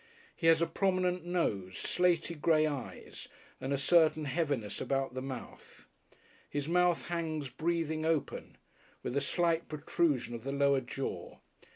He has a prominent nose, slatey grey eyes and a certain heaviness about the mouth. His mouth hangs breathing open, with a slight protrusion of the lower jaw.